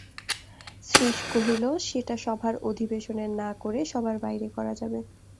শ্রীশ কহিল, সেটা সভার অধিবেশনে না করে সভার বাইরে করা যাবে।